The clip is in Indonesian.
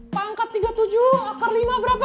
pangkat tiga puluh tujuh per lima berapa